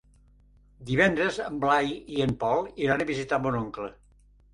Divendres en Blai i en Pol iran a visitar mon oncle.